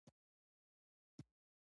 مچان ډېر ژر ډېرېږي